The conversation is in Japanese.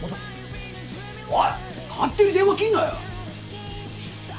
おい勝手に電話切んなよ！